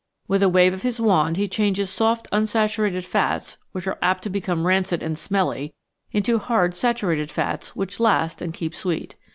With a wave of his wand he changes soft unsaturated fats, which are apt to become rancid and smelly, into hard saturated fats which last and keep sweet.